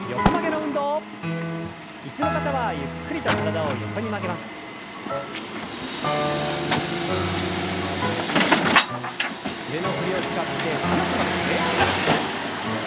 腕の振りを使って強く曲げて。